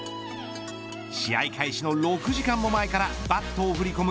試合開始の６時間も前からバットを振り込む